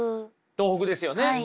東北ですよね。